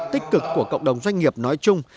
tích cực của cộng đồng doanh nghiệp nói chung